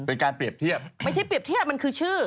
เป็นการเปรียบเทียบไม่ใช่เปรียบเทียบมันคือชื่อ